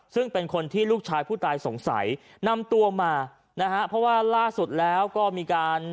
ซึ่งเป็นคนที่ลูกชายผู้ตายสงสัยนำตัวมานะฮะเพราะว่าล่าสุดแล้วก็มีการ